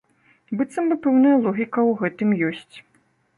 Быццам бы пэўная логіка ў гэтым ёсць.